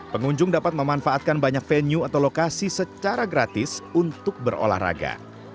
pengunjung dapat memanfaatkan banyak venue atau lokasi secara gratis untuk berolahraga